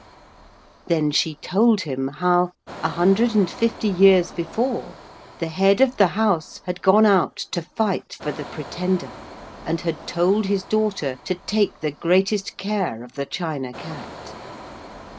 Then she told him how, a hundred and fifty years before, the Head of the House had gone out to fight for the Pretender, and had told his daughter to take the greatest care of the China Cat.